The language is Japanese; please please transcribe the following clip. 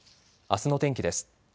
あすの天気です。